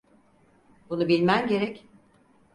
Bunu bilmen gerek.